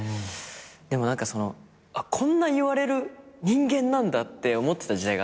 でも何かそのこんな言われる人間なんだって思ってた時代が。